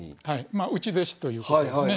まあ内弟子ということですね。